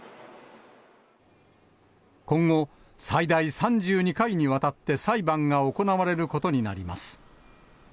今後、最大３２回にわたって裁判が行われることになります。